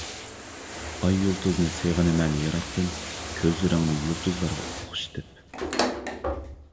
ئاي يۇلتۇزنى سېغىنىمەن يىراقتىن، كۆزلىرىڭنى يۇلتۇزلارغا ئوخشىتىپ.